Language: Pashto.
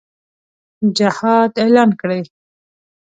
جهاد اعلان کړي.